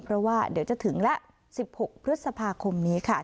เพราะว่าเดี๋ยวจะถึงละ๑๖พฤษภาคมนี้ค่ะ